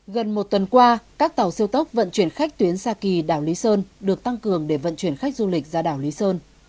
gần một tuần qua các tàu siêu tốc vận chuyển khách tuyến xa kỳ đảo lý sơn được tăng cường để vận chuyển khách du lịch ra đảo lý sơn